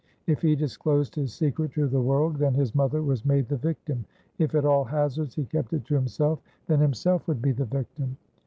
If he disclosed his secret to the world, then his mother was made the victim; if at all hazards he kept it to himself, then himself would be the victim.